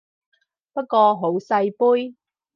不過好細杯